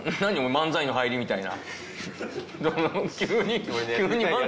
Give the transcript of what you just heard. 漫才の入りみたい。